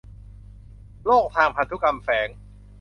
โรคทางพันธุกรรมแฝง